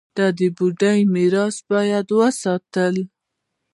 دا بډایه میراث باید وساتو.